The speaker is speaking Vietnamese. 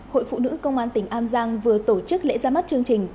hội phụ nữ công an tỉnh an giang vừa tổ chức lễ ra mắt chương trình